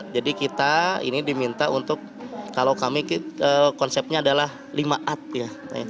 jadi kita ini diminta untuk kalau kami konsepnya adalah limaat ya